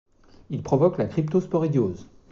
Il provoque la cryptosporidiose.